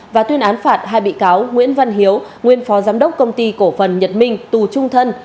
và tuyên án phạt hai bị cáo nguyễn văn hiếu nguyên phó giám đốc công ty cổ phần nhật minh tù trung thân